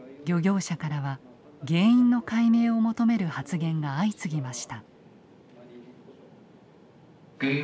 漁業者からは原因の解明を求める発言が相次ぎました。